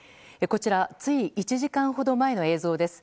こちらつい１時間ほど前の映像です。